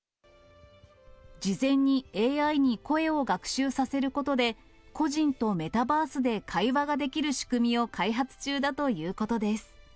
事前にＡＩに声を学習させることで、故人とメタバースで会話ができる仕組みを開発中だということです。